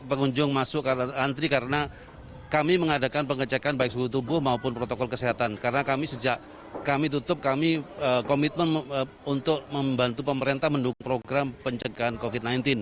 pengunjung masuk karena antri karena kami mengadakan pengecekan baik suhu tubuh maupun protokol kesehatan karena kami sejak kami tutup kami komitmen untuk membantu pemerintah mendukung program pencegahan covid sembilan belas